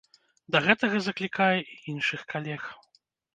Да гэтага заклікае і іншых калег.